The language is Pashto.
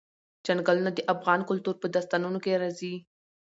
چنګلونه د افغان کلتور په داستانونو کې راځي.